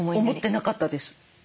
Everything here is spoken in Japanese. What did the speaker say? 思ってなかったです。